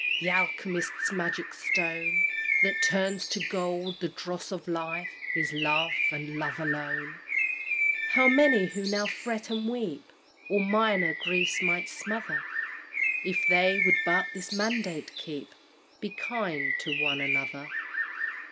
Th' alchemist's magic stone That turns to gold the dross of life, Is love and love alone. How many who now fret and weep All minor griefs might smother, If they would but this mandate keep, "Be kind to one another."